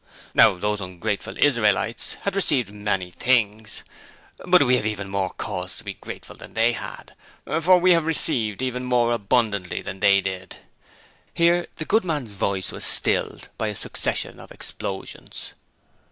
'Now those ungrateful Israelites had received many things, but we have even more cause to be grateful than they had, for we have received even more abundantly than they did.' (Here the good man's voice was stilled by a succession of explosions.)